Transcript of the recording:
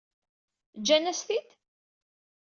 Ǧǧan-as-t-id?